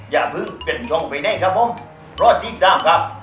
อย่าหมืกแต่งยองไว้หน้าครับผมรอดที๓ครับ